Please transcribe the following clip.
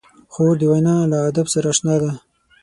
خور د وینا له ادب سره اشنا ده.